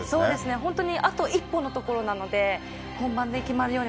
本当にあと一歩のところなので本番で決まるように